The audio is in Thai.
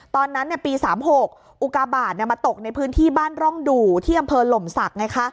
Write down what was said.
ตอนนั้นปี๓๖อุกาบาทมาตกในพื้นที่บ้านร่องดู่ที่อำเภอหล่มศักดิ์